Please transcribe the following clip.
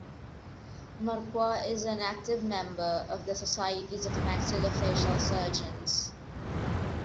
Marquardt is an active member of the Societies of Maxillofacial Surgeons.